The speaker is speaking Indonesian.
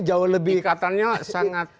jauh lebih ikatannya sangat